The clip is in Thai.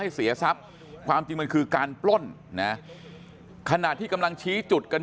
เสียทรัพย์ความจริงมันคือการปล้นนะขณะที่กำลังชี้จุดกัน